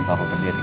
pak aku berdiri